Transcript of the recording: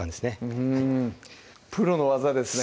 うんプロの技ですね